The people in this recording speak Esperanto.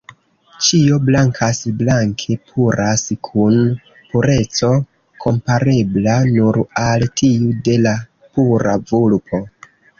Ĉio blankas, blanke puras, kun pureco komparebla nur al tiu de la pura vulpo.